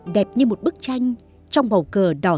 đẹp như một bức tranh trong bầu cờ đỏ